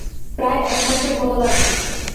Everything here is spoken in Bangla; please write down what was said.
প্রায় এক মাসের মতো লাগে।